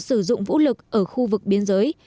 sử dụng vũ lực ở khu vực biên giới